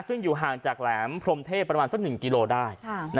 ซึ่งอยู่ห่างจากแหลมพรมเทพประมาณสัก๑กิโลได้